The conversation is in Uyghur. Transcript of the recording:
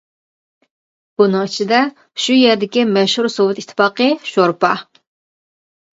بۇنىڭ ئىچىدە شۇ يەردىكى مەشھۇر سوۋېت ئىتتىپاقى شورپا.